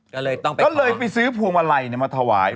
ก็เลยไปซื้อผัวมาลัยมาถวาย